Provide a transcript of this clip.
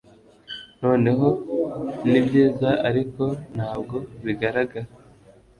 noneho nibyiza Ariko ntabwo bigaragara